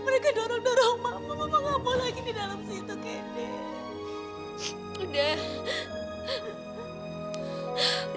mereka dorong dorong mama mama gak mau lagi di dalam situ gini